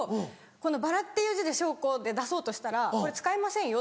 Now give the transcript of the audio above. この薔薇っていう字で「しょうこ」で出そうとしたら「これ使えませんよ」